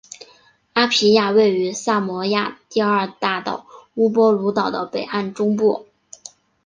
阿皮亚位于萨摩亚第二大岛乌波卢岛的北岸中部。